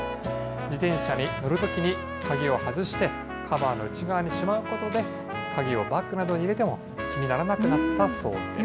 自転車に乗るときに鍵を外して、カバーの内側にしまうことで、鍵をバッグなどに入れても気にならなくなったそうです。